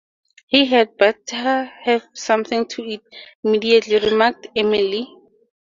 ‘He had better have something to eat, immediately,’ remarked Emily.